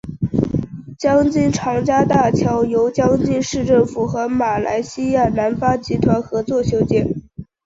江津长江大桥由江津市政府和马来西亚南发集团合作修建。